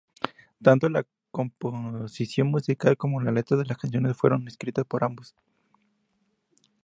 Tanto la composición musical como las letras de las canciones, fueron escritas por ambos.